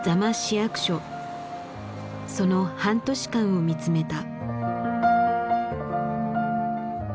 その半年間を見つめた。